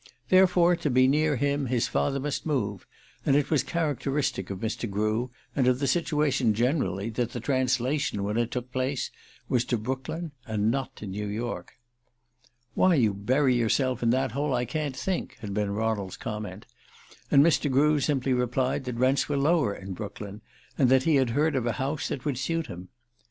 Therefore to be near him his father must move; and it was characteristic of Mr. Grew, and of the situation generally, that the translation, when it took place, was to Brooklyn, and not to New York. "Why you bury yourself in that hole I can't think," had been Ronald's comment; and Mr. Grew simply replied that rents were lower in Brooklyn, and that he had heard of a house that would suit him.